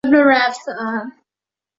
影片发表后获多项国内外奖项肯定。